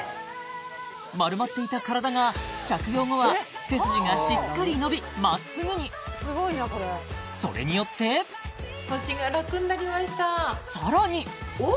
丸まっていた体が着用後は背筋がしっかり伸び真っすぐにそれによってさらに！